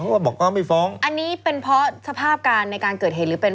ก็บอกอ้าวไม่ฟ้องอันนี้เป็นเพราะสภาพการในการเกิดเหตุหรือเป็น